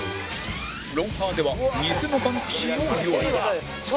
『ロンハー』では偽のバンクシーを用意